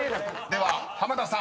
［では濱田さん］